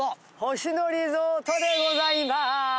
星野リゾートでございます。